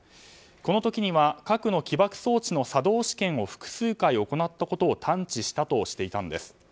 この時には核の起爆装置の作動試験を複数回、行ったことを探知したとしていたんです。